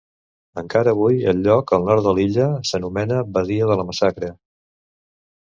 Encara avui el lloc, al nord de l'illa, s'anomena Badia de la Massacre.